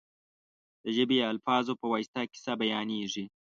د ژبې یا الفاظو په واسطه کیسه بیانېږي.